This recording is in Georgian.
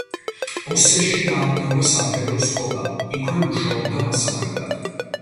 ოსერში დაამთავრა სამხედრო სკოლა, იქვე მუშაობდა მასწავლებლად.